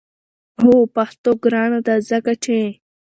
هو پښتو ګرانه ده! ځکه چې